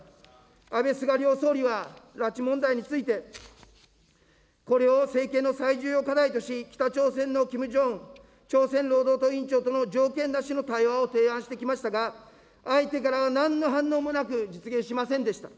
安倍・菅両総理は、拉致問題について、これを政権の最重要課題とし、北朝鮮のキム・ジョンウン朝鮮労働党委員長との条件なしの対話を提案してきましたが、相手からはなんの反応もなく、実現しませんでした。